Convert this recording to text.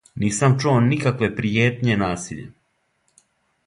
Нисам чуо никакве пријетње насиљем.